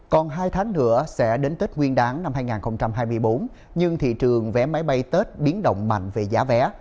còn hai tháng nữa sẽ đến tết nguyên đáng năm hai nghìn hai mươi bốn nhưng thị trường vé máy bay tết biến động mạnh về giá vé